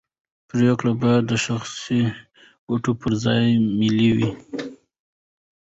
پرېکړې باید د شخصي ګټو پر ځای ملي وي